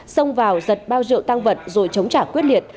xông vào giật bao rượu tăng vật rồi chống trả quyết liệt